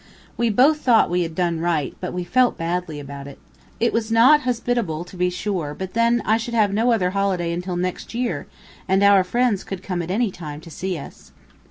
We both thought we had done right, but we felt badly about it. It was not hospitable, to be sure; but then I should have no other holiday until next year, and our friends could come at any time to see us.